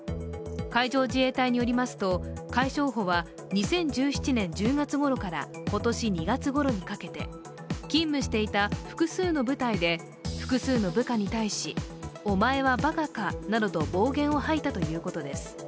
海上自衛隊によりますと海将補は２０１７年１０月ごろから今年２月ごろにかけて勤務していた複数の部隊で複数の部下に対しお前はばかかなどと暴言を吐いたということです。